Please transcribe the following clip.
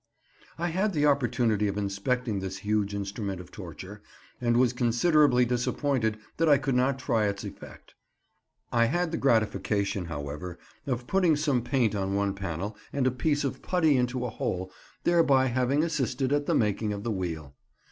I had the opportunity of inspecting this huge instrument of torture, and was considerably disappointed that I could not try its effect. I had the gratification, however, of putting some paint on one panel and a piece of putty into a hole, thereby having assisted at the making of the wheel.